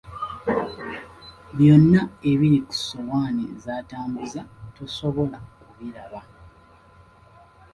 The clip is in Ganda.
Byonna ebiri ku ssowaani z’atambuza tosobola kubiraba.